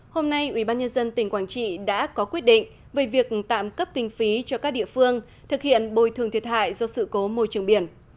hôm nay ubnd tỉnh quảng trị đã có quyết định về việc tạm cấp kinh phí cho các địa phương thực hiện bồi thường thiệt hại do sự cố môi trường biển